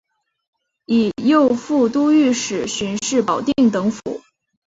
以右副都御史巡视保定等府。